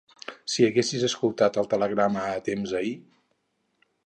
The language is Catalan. Si haguessis escoltat el telegrama a temps ahir!